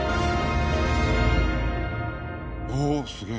おおすげえ。